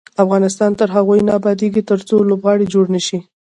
افغانستان تر هغو نه ابادیږي، ترڅو لوبغالي جوړ نشي.